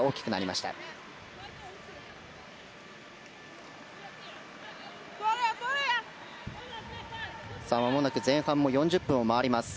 まもなく前半４０分を回ります。